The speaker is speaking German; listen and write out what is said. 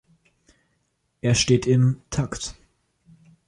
Er steht im -Takt.